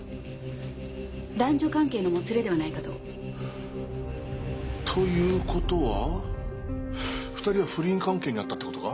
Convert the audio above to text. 男女関係のもつれではないかと。ということは２人は不倫関係にあったってことか？